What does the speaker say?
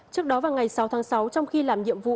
trước đó vào ngày sáu tháng sáu trong khi làm nhiệm vụ